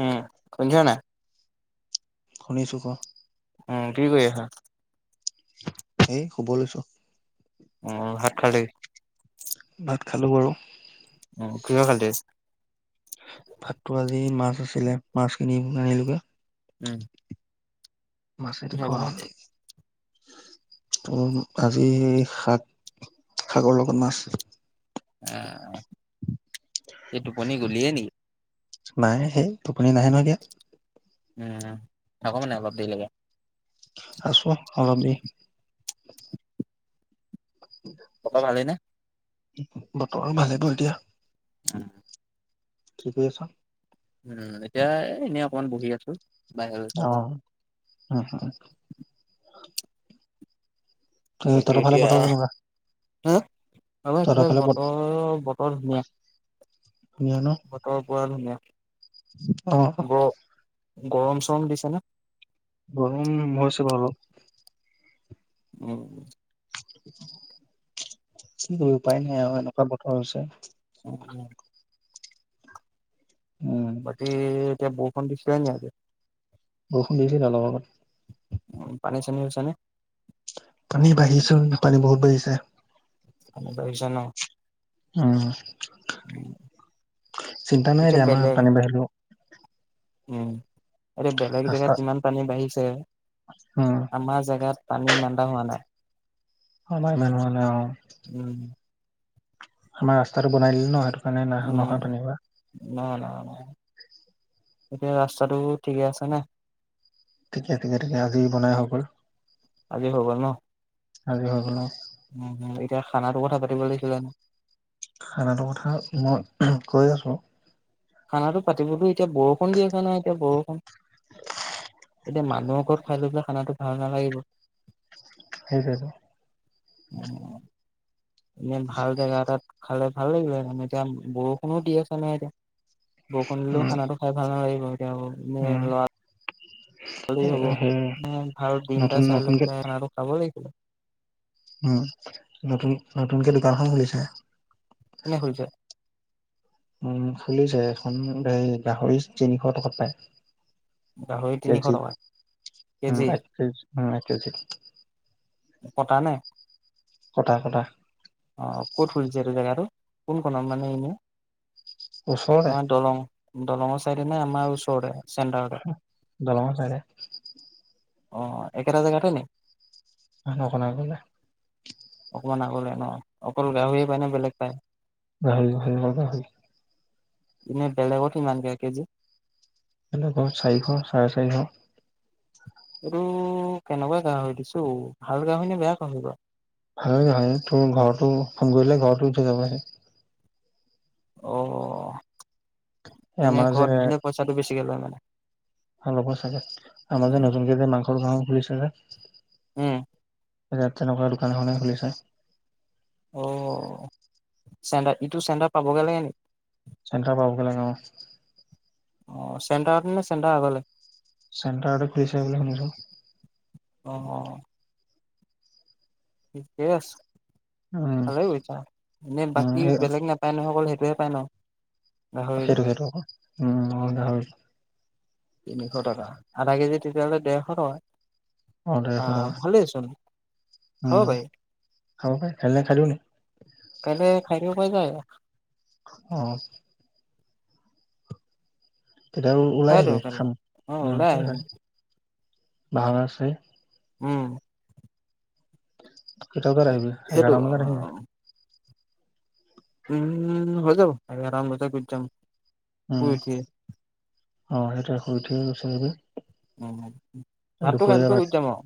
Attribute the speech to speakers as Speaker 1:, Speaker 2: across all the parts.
Speaker 1: উম শুনিছ নাই
Speaker 2: শুনিছোঁ, ক'।
Speaker 1: উম, কি কৰি আছা?
Speaker 2: এই শুব লৈছো।
Speaker 1: অঁ, ভাত খালি?
Speaker 2: ভাত খালোঁ বাৰু।
Speaker 1: অঁ কিহে খালি আজি?
Speaker 2: ভাতটো আজি মাছ আছিলে মাছ কিনি আনিলোগে।
Speaker 1: উম্।
Speaker 2: মাছেদি খোৱা হ'ল।
Speaker 1: [inaudible]
Speaker 2: ত', আজি শাক, শাকৰ লগত মাছ।
Speaker 1: অ', এই টোপনি গলিয়ে নিকি?
Speaker 2: নাই, সেই টোপুনি নাহে নহয় এতিয়া।
Speaker 1: উম, থাকক মানে অলপ দেৰি লাগে।
Speaker 2: আছো, অলপ দেৰি।
Speaker 1: ককা ভালে নে?
Speaker 2: বতৰ ভালে বাৰু এতিয়া।
Speaker 1: হুম,
Speaker 2: কি কৰি আছা?
Speaker 1: উম, এতিয়া এনে অকমান বহি আছোঁ।
Speaker 2: অ', উম, হুম, এই তহঁতৰ ফালে বতৰ কেনেকুৱা?
Speaker 1: উম, অ,
Speaker 2: তহঁতৰ
Speaker 1: এইফালে
Speaker 2: ফালে বতৰ
Speaker 1: বতৰ-বতৰ ধুনীয়া।
Speaker 2: ধুনীয়া ন
Speaker 1: বতৰ পোৰা ধুনীয়া।
Speaker 2: অ',
Speaker 1: গ গৰম চৰম দিছে নে?
Speaker 2: গৰম হৈছে বাৰু অলপ।
Speaker 1: উম,
Speaker 2: কি কৰিব উপায় নাই আৰু এনেকুৱা বতৰ হৈছে।
Speaker 1: উম, উম,
Speaker 2: উম
Speaker 1: বাকী, এতিয়া বৰষুণ দিছিলে নি আজি?
Speaker 2: বৰষুণ দিছিল অলপ আগত।
Speaker 1: উম, পানী, চানী হৈছেনে?
Speaker 2: পানী বাঢ়িছে, পানী বহুত বাঢ়িছে।
Speaker 1: পানী বাঢ়িছে ন?
Speaker 2: উম। চিন্তা নাই এতিয়া আমাৰ পানী বাঢ়িলেও।
Speaker 1: উম। এতিয়া বেলেগ
Speaker 2: ৰাস্তা
Speaker 1: জেগাত যিমান পানী বাঢ়িছে,
Speaker 2: উম,
Speaker 1: আমাৰ জেগাত পানী ইমান হোৱা নাই।
Speaker 2: আমাৰ ইমান হোৱা নাই অ'।
Speaker 1: উম।
Speaker 2: আমাৰ ৰাস্তাটো বনাই দিলে ন' সেইটোকাৰণে ন-নহয়
Speaker 1: উম,
Speaker 2: [unintelligible]
Speaker 1: নহয়, নহয়, এতিয়া ৰাস্তাটো ঠিকে আছেনে?
Speaker 2: ঠিকে, ঠিকে, ঠিকে, আজি বনাই হৈ গ'ল।
Speaker 1: আজি হৈ গ'ল ন?
Speaker 2: আজি হৈ গ'ল অ',
Speaker 1: উম, হম, এতিয়া খানাতো কথা পাতিব লাগিছিলে ন?
Speaker 2: খানাটোৰ কথা, মই কৈ আছোঁ।
Speaker 1: খানাটো পাতিবতো এতিয়া বৰষুণ দি আছে নহয়, এতিয়া বৰষুণ। এতিয়া মানুহৰ ঘৰত খাই লৈ পেলাই খানাটো ভাল নালাগিব।
Speaker 2: সেইটোৱেটো।
Speaker 1: উম। ইনে ভাল জেগা এটাত খালে ভাল লাগিলে হেতেঁন। এতিয়া বৰষুণো দি আছে নহয় এতিয়া। বৰষুণ দিলেও
Speaker 2: উম,
Speaker 1: খানাটো খাই ভাল নালাগিব। এতিয়া এ,
Speaker 2: উম,
Speaker 1: ল'ৰা ভালেই
Speaker 2: সেই
Speaker 1: হ'ব। ভাল দিন এটা
Speaker 2: নতুন
Speaker 1: চাই লৈ
Speaker 2: নতুনকে
Speaker 1: পেলাই খানাটো খাব লাগিব।
Speaker 2: উম, নতুন-নতুনকে দোকান এখন খুলিছে।
Speaker 1: কোনে খুলিছে?
Speaker 2: উম খুলিছে এখন হেৰি গাহৰি তিনিশ টকাত পায়।
Speaker 1: গাহৰি তিনিশ
Speaker 2: কেজি
Speaker 1: টকাত?
Speaker 2: উম এক কেজ-এক কেজি।
Speaker 1: কটানে?
Speaker 2: কটা কটা
Speaker 1: অ' ক'ত খুলিছে এইটো জেগাত? ক'ত কোনখনত মানে এনে,
Speaker 2: ওচৰতে
Speaker 1: আমাৰ দলং দলঙৰ চাইদত সেইপিনে আমাৰ ওচৰতে। চেণ্টাৰতে
Speaker 2: দলঙৰ চাইদে।
Speaker 1: অ' একেটা জেগাতে নি?
Speaker 2: অকন আগলে।
Speaker 1: অকমান আগলে ন। অকল গাহৰি পায় নে বেলেগ পায়?
Speaker 2: গাহৰি-গাহৰি অকল গাহৰি।
Speaker 1: এনেই বেলেগত কিমানকে এককেজিত।
Speaker 2: এনে ধৰ চাৰিশ চাৰে চাৰিশ।
Speaker 1: এইটো কেনেকোৱা গাহৰি দিছে ঔ ভাল গাহৰি নে বেয়া গাহৰি বাৰু?
Speaker 2: হয় হয় তোৰ ঘৰটো ফোন কৰিলে ঘৰটো দিথৈ যাবহি।
Speaker 1: অ' এনে ঘৰত দিলে পইচাটো বেছিকে লয় মানে?
Speaker 2: অ' লব চাগে। আমাৰ যে
Speaker 1: উম
Speaker 2: নতুনকে যে মাংসৰ দোকানখন খুলিছে যে।
Speaker 1: উম।
Speaker 2: ইয়াত তেনেকোৱা দোকান এখনেই খুলিছে।
Speaker 1: অ' চেণ্টাৰ ইটো চেণ্টাৰ পাবগে লাগে নেকি?
Speaker 2: চেন্টাৰ পাবগে লাগে অ'।
Speaker 1: অ' চেণ্টাৰতে নে চেণ্টাৰৰ আগলে?
Speaker 2: চেণ্টাৰতে খোলিছে বুলি শুনিছো।
Speaker 1: অ'। থিকে আছে
Speaker 2: উম
Speaker 1: ভালে কৰিছে। এনে
Speaker 2: উম
Speaker 1: বাকী
Speaker 2: এই
Speaker 1: বেলেগ নেপায় নহয় অকল সেই টোহে পায় ন? গাহৰিটো
Speaker 2: সেইটো সেইটো আকল উম অকল গাহৰি।
Speaker 1: তিনিশ টকা। আধা কেজি তেতিয়াহ'লে ডেৰশ
Speaker 2: অ ডেৰশ
Speaker 1: টকা আ
Speaker 2: টকা
Speaker 1: ভালেইচোন। খাব
Speaker 2: উম,
Speaker 1: পাৰি
Speaker 2: খাব পৰি কাইলে খাই দিও নি?
Speaker 1: কাইলে খাই দিব পৰা যায়।
Speaker 2: অ'। তেতিয়া হলে ওলাই
Speaker 1: খাই দিওঁ
Speaker 2: আহিবি
Speaker 1: তেনে
Speaker 2: খাম।
Speaker 1: অ
Speaker 2: উম
Speaker 1: ওলাই
Speaker 2: কাইলে
Speaker 1: আহিম
Speaker 2: খাই দিম। বাহন আছেই
Speaker 1: উম,
Speaker 2: কেইটা বজাত আহিবি?
Speaker 1: সেইটো
Speaker 2: এঘাৰটা মান বজাত আহিবি।
Speaker 1: উম, হৈ যাব এঘাৰটা মান বজাত গুচি যাম।
Speaker 2: উম,
Speaker 1: শুই উঠি
Speaker 2: অ' সেইটোৱে শুই উঠিয়ে গুচি আহিবি।
Speaker 1: উম ভাতটো খাই
Speaker 2: দুপৰীয়া
Speaker 1: লৈ গুচি
Speaker 2: ভাত
Speaker 1: যাম আৰু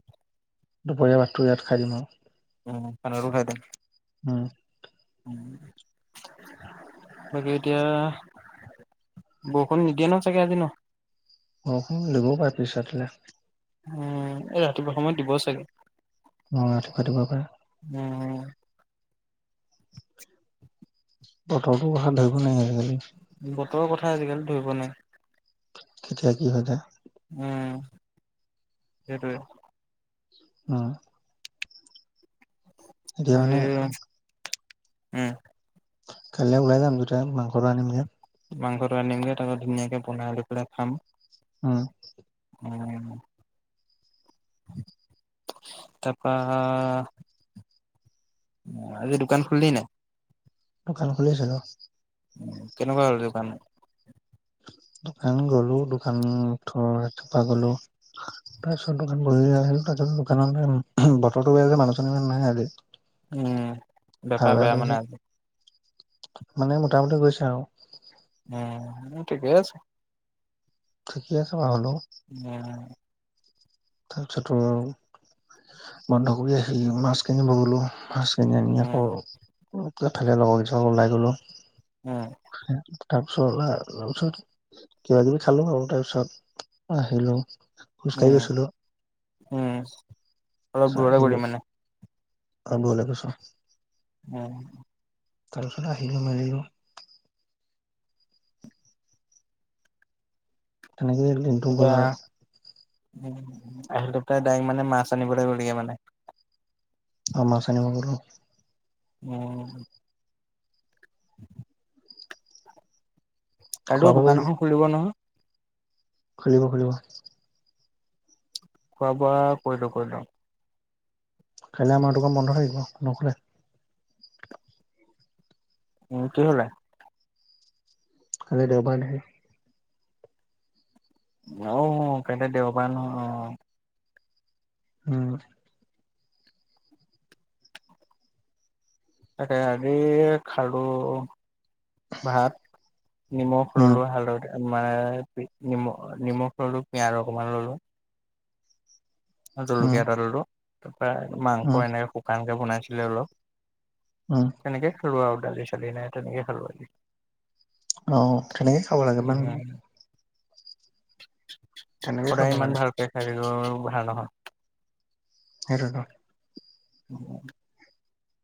Speaker 2: দুপৰীয়া ভাতটো ইয়াত খাই দিম আও।
Speaker 1: উম, খানাটো খাই দিম।
Speaker 2: আৰু উম
Speaker 1: উম, বাকী এতিয়া বৰষুণ নিদিয়ে নহয় চাগে আজি ন।
Speaker 2: বৰষুণ দিবও পাৰে পিচলে।
Speaker 1: উম, এই ৰাতিপুৱা সময়ত দিব চাগে।
Speaker 2: অ' ৰাতিপুৱা দিব পাৰে।
Speaker 1: উম
Speaker 2: বতৰটোৰ কথা ধৰিব নোৱাৰি আজিকালি।
Speaker 1: বতৰৰ কথা আজিকালি ধৰিব নাই।
Speaker 2: কেতিয়া কি হৈ যায়।
Speaker 1: উম, সেইটোৱে।
Speaker 2: উ এৰি মান
Speaker 1: আজি উম,
Speaker 2: কাইলৈ ওলাই যাম দুতিয়া মাংসো আনিমগে।
Speaker 1: মাংসটো আনিমগে ত ধুনীয়াকে বনাই আকৌ পেলাই খাম।
Speaker 2: উম,
Speaker 1: তাৰপৰা আজি দোকান খলি নাই।
Speaker 2: দোকান খুলিছিলো।
Speaker 1: উম, কেনেকুৱা হ'ল দোকান।
Speaker 2: দোকান গলোঁ দোকানৰ ওঠৰ ৰাতিপুৱা গলোঁ। তাৰপিছত দোকান কৰি আহিলোঁ তাৰপিছত দোকানত বতৰটো বেয়া যে মানুহ চানুহ ইমান নাই আজি
Speaker 1: উম,
Speaker 2: ভাল
Speaker 1: বেপাৰ বেয়া
Speaker 2: কৰিছে
Speaker 1: মানে আজি।
Speaker 2: মানে মোটামুটি গৈছে আৰু
Speaker 1: উম, ঠিকেই আছে।
Speaker 2: ঠিকে আছে বাৰু হ'লেও
Speaker 1: উম।
Speaker 2: তাৰ পিছতো বন্ধ কৰি আহিলোঁ। মাছ কিনিব গলোঁ মাছ যেনে আমি
Speaker 1: উম
Speaker 2: আকৌ ফালে লগৰ কেইজনৰ লগত ওলাই গ'লোঁ
Speaker 1: উম
Speaker 2: তাৰপিছত, ওঠচোন কিবা কিবি খালোঁ আৰু তাৰপিছত আহিলোঁ। খোজকাঢ়
Speaker 1: উম
Speaker 2: গৈছিলোঁ।
Speaker 1: উম, অলপ দৌৰা কৰি মানে
Speaker 2: আগলৈ গৈছোঁ।
Speaker 1: অহ'
Speaker 2: তাৰপিছত আহিলোঁ মাৰিলোঁ। তেনেকেই দিনটো গ'ল
Speaker 1: এতিয়া
Speaker 2: আৰু
Speaker 1: উম, আহিলো প্ৰায় ডাইৰেক্ট মানে মাছ আনিব লাগিবলগীয়া মানে।
Speaker 2: আমাৰ [unintelligible]
Speaker 1: অ'। কালিও
Speaker 2: খোৱা বোৱা
Speaker 1: দোকান
Speaker 2: কৰিলি
Speaker 1: এখন খুলিব নহয়।
Speaker 2: খুলিব, খুলিব।
Speaker 1: খোৱা বোৱা কৰিলোঁ, কৰিলোঁ।
Speaker 2: কাইলৈ আমাৰ দোকান বন্ধ থাকিব নক'লে।
Speaker 1: উম, কি হ'লে?
Speaker 2: কালি দেওবাৰ [unintelligible]
Speaker 1: অ', কাইলে দেওবাৰ অ'।
Speaker 2: উম।
Speaker 1: তাকে হে খাৰু ভাত, নিমখ
Speaker 2: উম
Speaker 1: ল'লো হালধৰে মানে নিম-নিমখ ল'লো পিয়াজ অকমান ল'লো। অ',
Speaker 2: উম
Speaker 1: জলকীয়া ডালটো তাৰপা মাংস
Speaker 2: উম
Speaker 1: এনেকে শুকানকে বনাইছিলে অলপ।
Speaker 2: উম
Speaker 1: তেনেকে খেলো আৰু দালি চালি নাই তেনেকে খেলো আজি।
Speaker 2: অহ, তেনেকে খাব লাগে মান
Speaker 1: উম,
Speaker 2: তেনেকে
Speaker 1: সদায়
Speaker 2: খাব
Speaker 1: ইমান
Speaker 2: লাগে
Speaker 1: ভালকৈ শাৰীৰো ভাল নহয়।
Speaker 2: সেইটোৱেটো।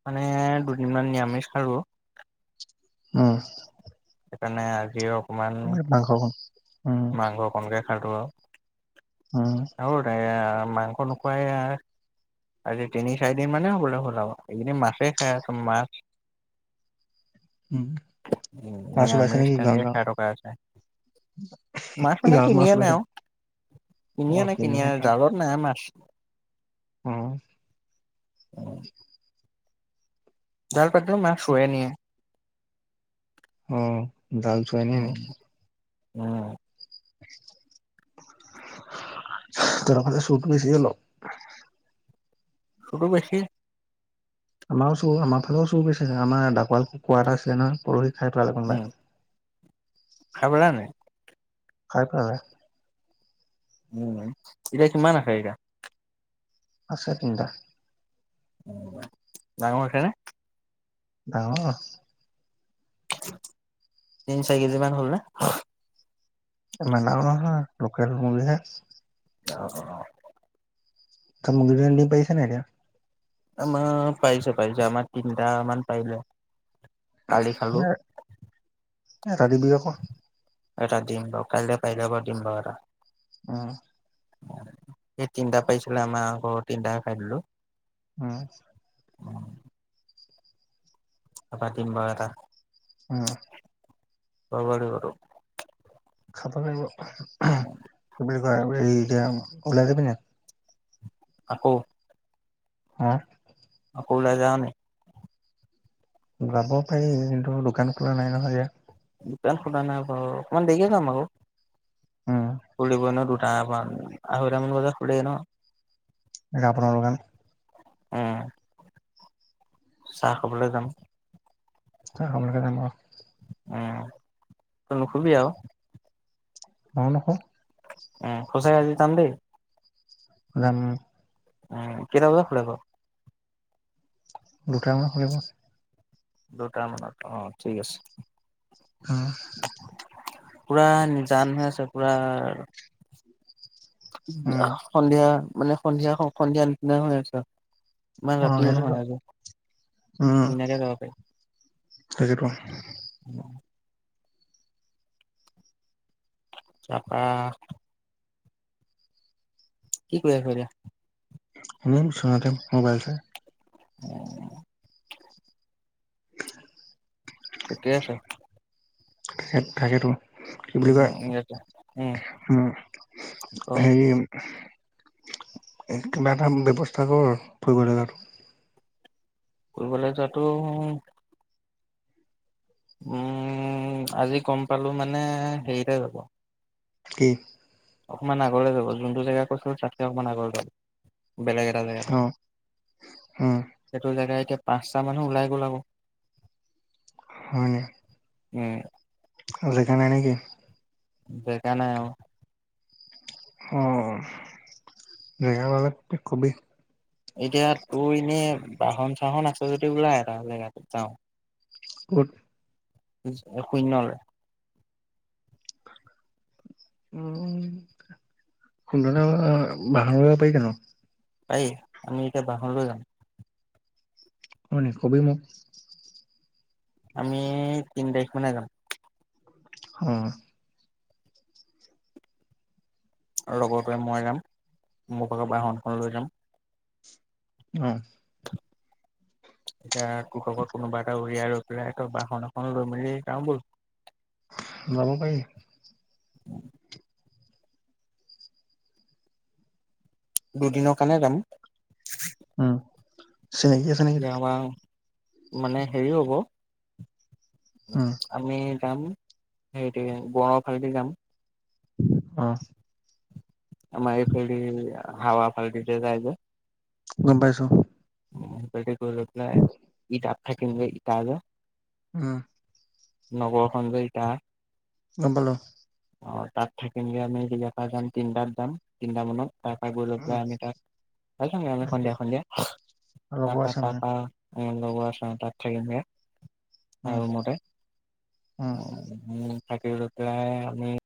Speaker 1: মানে দুদিনমান নিৰামিষ খালোঁ।
Speaker 2: উম।
Speaker 1: সেইকাৰণে আজি আও
Speaker 2: এ [unintelligible]
Speaker 1: মাংস অকণকে খালোঁ আৰু।
Speaker 2: উম
Speaker 1: আৰু এটা এইয়া মাংস নোখাৱাই এইয়া আজি তিনি, চাৰিদিন মানে হ'ল আৰু হ'ল আৰু এইকেইদিন মাছেই খাই আছোঁ, মাছ
Speaker 2: উম
Speaker 1: উম,
Speaker 2: মাছ ওলাইছে
Speaker 1: নিৰামিষ
Speaker 2: নেকি গাঁৱত
Speaker 1: তেনেকে খাই
Speaker 2: গাঁৱত
Speaker 1: থকা হৈছে। মাছ মানে
Speaker 2: গাঁৱত
Speaker 1: কিনি
Speaker 2: মাছ
Speaker 1: আনে
Speaker 2: ওলাইছে
Speaker 1: আৰু, কিনি
Speaker 2: অ
Speaker 1: আনে, কিনি
Speaker 2: কিনিহে
Speaker 1: আনে
Speaker 2: খা
Speaker 1: জালত নাই মাছ।
Speaker 2: অ
Speaker 1: উম। জাল পাতিলেয়ো মাছ চুৰে নিয়ে।
Speaker 2: অ', জাল চুৰে নিয়ে নি?
Speaker 1: অ'।
Speaker 2: তুহঁতৰ ফালে চুৰটো বেছি অলপ।
Speaker 1: [unintelligible] বেছি।
Speaker 2: আমাৰো চুৰ আমাৰ ফালেও চুৰ হৈছে আমাৰ ডাকোৱাল কুকুৰা এটা আছে নহয় পৰহি খাই পেলালে কোনোবাই।
Speaker 1: উম [unintelligible] পালা নাই।
Speaker 2: খাই পালা
Speaker 1: উম এতিয়া কিমান আছে এতিয়া
Speaker 2: আছে তিনিটা
Speaker 1: ডাঙৰ হৈছেনে?
Speaker 2: ডাঙৰ
Speaker 1: তিনি চাৰি কেজি মান হ'লনে?
Speaker 2: আমিন ডাঙৰ নহয় লোকেল মূৰ্গীহে।
Speaker 1: অ'-অ'
Speaker 2: ত মূৰ্গীটোৱে কণী পাৰিছানে এতিয়া
Speaker 1: আমাৰ পাইছে-পাইছে আমাৰ তিনিটামান পাৰিলে। কালি খালোঁ।
Speaker 2: এটা দিবি আক।
Speaker 1: এটা দিম বাও, কাইলৈ পাৰিলে বাও দিম বাৰু এটা।
Speaker 2: অ।
Speaker 1: তিনটা পাইছিলে, আমাৰ ঘৰৰ তিনটাই খায় দিলো।
Speaker 2: উম
Speaker 1: এবাৰ দিম বাও এটা।
Speaker 2: উম।
Speaker 1: বব দিব তোক।
Speaker 2: খাব লাগিব, কি বুলি কয় এই এতিয়া ওলাই যাবি নাই?
Speaker 1: আকৌ।
Speaker 2: হা।
Speaker 1: ওলাই যাওঁ নি?
Speaker 2: যাব পাৰি, কিন্তু দোকান খোলা নাই নহয় এতিয়া।
Speaker 1: দুকান খোলা নাই বাৰু অকমান দেৰি কে যাম
Speaker 2: উম
Speaker 1: আক, খুলিব নহয় দুটা আহৈতা মান বজাত খোলে নহয়।
Speaker 2: এ ৰাৱণৰ দুকান।
Speaker 1: উম, চাহ খাবলে যাম।
Speaker 2: চাহ খাবলেকে যাম অ।
Speaker 1: উম তই নুশুবি আও।
Speaker 2: মই নুশু।
Speaker 1: উম সঁচাকে আজি যাম দেই?
Speaker 2: যাম।
Speaker 1: উম, কেইটা বজাত খোলে বাও।
Speaker 2: দুটা মানত খুলিব।
Speaker 1: দুট মানত অ ঠিক আছে
Speaker 2: উম
Speaker 1: পুৰা নিজান হৈ আছে পুৰা
Speaker 2: উম
Speaker 1: সন্ধিয়া মানে সন্ধিয়া সন্ধিয়া নিচিনা হৈ আছে ইমান
Speaker 2: অ
Speaker 1: ৰাতিও
Speaker 2: সেইটোতো
Speaker 1: নহয় আৰু ধুনীয়াকে যাব পাৰি
Speaker 2: তাকেইটো
Speaker 1: তা পা কি কৰি আছ এতিয়া
Speaker 2: [unintelligible] মোবাইল চাই
Speaker 1: উম ঠিকে আছে
Speaker 2: তাক তাকেতো কি বুলি কয়
Speaker 1: উম
Speaker 2: উম
Speaker 1: অ
Speaker 2: হেৰি কিবা এটা ব্যৱস্থা কৰো আৰু ফুৰিব লগাতো
Speaker 1: ফুৰিবলৈ যোৱাটো উম, আজি গম পালোঁ মানে হেৰিলে গ'লো।
Speaker 2: কি?
Speaker 1: অকণমান আগৰলৈ যাব, যোনটো জেগা কৈছিলোঁ, তাতকে অকমান আগলৈ যা বেলেগ এটা জেগা লৈ
Speaker 2: অ উম
Speaker 1: সেইটো জেগা এতিয়া পাঁচটা মানুহ ওলাই গল আকৌ।
Speaker 2: হুম,
Speaker 1: উম,
Speaker 2: কালিৰ কাৰণে নেকি?
Speaker 1: জেগা নাই অ,
Speaker 2: অ', জেগাবিলাককে কবি।
Speaker 1: এতিয়া তোৰ এনে বাহন চাহন আছে যদি ওলা এটা জেগাটোত যাওঁ।
Speaker 2: ক'ত?
Speaker 1: শূন্য।
Speaker 2: উম, সুন্দ [unintelligible] বাঁহৰ পাৰি জানো?
Speaker 1: পাৰি আমি এতিয়া বাহন লৈ যাম।
Speaker 2: হয় নেকি কবি মোক।
Speaker 1: আমি তিন তাৰিখ মানে যাম।
Speaker 2: উম।
Speaker 1: লগৰতোয়ে মই যাম মোৰ [unintelligible] বাহনখন লৈ যাম।
Speaker 2: অ'।
Speaker 1: এতিয়া [unintelligible] কোনোবা এটা উলিয়াই লৈ পেলাই তই বাহন এখন লৈ মেলি যাওঁ ব'ল।
Speaker 2: যাব পাৰি।
Speaker 1: উম। দুদিনৰ কাৰণে যাম।
Speaker 2: উম। চিনাকি আছে নেকি?
Speaker 1: এতিয়া আমাৰ মানে হেৰি হ'ব,
Speaker 2: উম
Speaker 1: আমি যাম সেইটোৱেই [unintelligible] ‌ফালেদি যাম।
Speaker 2: অ'।
Speaker 1: আমাৰ এইফালেদি হাৱা ফালদি যে, যায় যে।
Speaker 2: গম পাইছোঁ।
Speaker 1: উম, তাতে গৈ লৈ পেলাই ইটাত থাকিম গৈ ইটা যে
Speaker 2: উম।
Speaker 1: নগৰখন যে, ইটা।
Speaker 2: গম পালোঁ।
Speaker 1: অ', তাত থাকিমগে আমি ইয়াৰ পৰা যাম তিনটাত যাম, তিনটা মানত তাৰপা গৈ লৈ
Speaker 2: উম
Speaker 1: পেলাই আমি তাত, [unintelligible] আমি সন্ধিয়া, সন্ধিয়া
Speaker 2: লগৰ
Speaker 1: তাৰপা,
Speaker 2: আছে মানে
Speaker 1: তাৰপা অ', লগৰ আছে, তাত থাকিম গে। তাৰ
Speaker 2: উম
Speaker 1: ৰুমতে,
Speaker 2: উম
Speaker 1: অ' থাকি পেলাই আমি